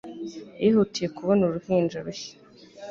Yihutiye kubona uruhinja rushya.